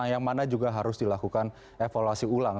yang mana juga harus dilakukan evaluasi ulang